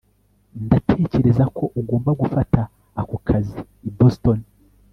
ndatekereza ko ugomba gufata ako kazi i boston